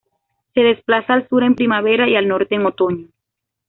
Se desplaza al sur en primavera y al norte en otoño.